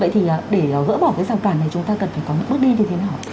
vậy thì để gỡ bỏ cái ràng cản này chúng ta cần phải có một bước đi như thế nào